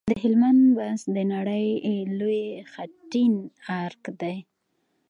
د هلمند بست د نړۍ لوی خټین ارک دی